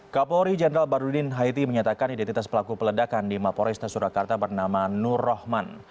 kapolri jenderal baduddin haiti menyatakan identitas pelaku peledakan di mapore surakarta bernama nur rahman